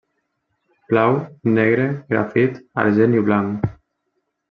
Blau, negre, grafit, argent i blanc.